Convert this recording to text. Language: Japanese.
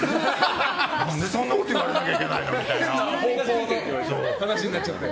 何でそんなこと言われなきゃいけないのってなっちゃって。